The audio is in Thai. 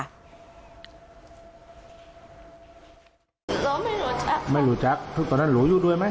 รถไม่หลุดจักรไม่หลุดจักรตอนนั้นหลุดอยู่ด้วยไหม